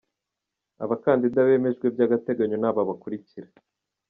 Abakandida bemejwe by’agateganyo ni aba bakurikira:.